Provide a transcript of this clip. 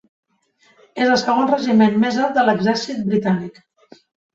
És el segon regiment més alt de l'exèrcit britànic.